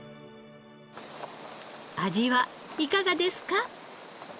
味はいかがですか？